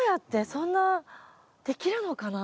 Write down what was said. そんなできるのかな？